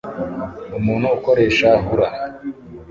Umuntu ukoresha hula